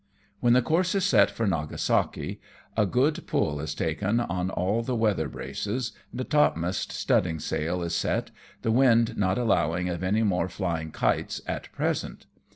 When the course is set for Nagasaki, a good pull is taken on all the weather braces, and a topmast studding sail is set, the wind not allowing of any more flying kites at present.